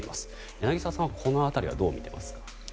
柳澤さんは、この辺りはどう見ていますか？